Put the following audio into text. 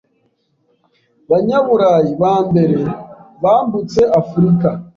Banyaburayi ba mbere bambutse Afurika